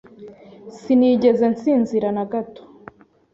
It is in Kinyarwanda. Sinigeze nsinzira nagato.